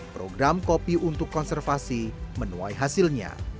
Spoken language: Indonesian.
program kopi untuk konservasi menuai hasilnya